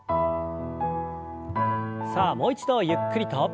さあもう一度ゆっくりと。